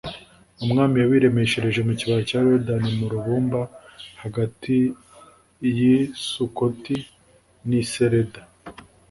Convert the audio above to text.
“umwami yabiremeshereje mu kibaya cya yorodani mu rubumba hagati y’i sukoti n’i sereda.”